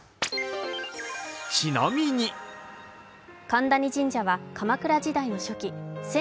神谷神社は鎌倉時代の初期